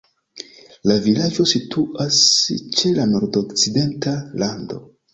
La vilaĝo situas ĉe la nordokcidenta rando.